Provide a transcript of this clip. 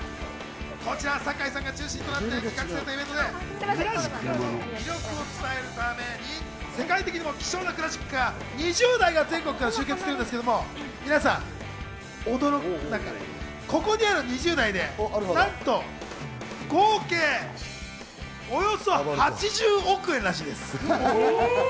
こちらは堺さんが中心となって企画されたイベントで、クラシックカーの魅力を伝えるために世界的にも希少なクラシックカー２０台が全国から集結したんですけれども、皆さん驚くなかれ、ここにある２０台で、なんと合計およそ８０億円らしいです。